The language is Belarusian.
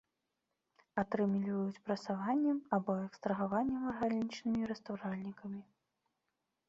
Атрымліваюць прасаваннем або экстрагаваннем арганічнымі растваральнікамі.